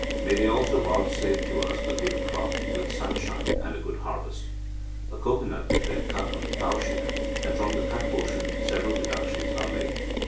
May they also vouchsafe to us a good crop, good sunshine, and a good harvest.' A cocoanut is then cut on the ploughshare, and from the cut portions several deductions are made.